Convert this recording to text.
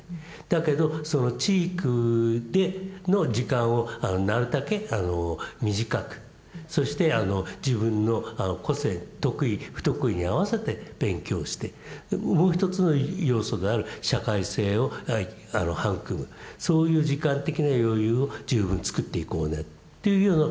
だけど知育での時間をなるたけ短くそして自分の個性・得意・不得意に合わせて勉強してもう一つの要素である社会性を育むそういう時間的な余裕を十分つくっていこうねというようなことが